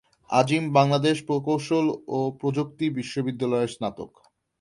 আজিম বাংলাদেশ প্রকৌশল ও প্রযুক্তি বিশ্ববিদ্যালয়ের স্নাতক।